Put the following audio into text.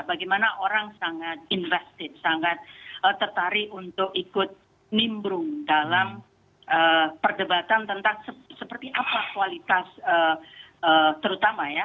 bagaimana orang sangat invested sangat tertarik untuk ikut nimbrung dalam perdebatan tentang seperti apa kualitas terutama ya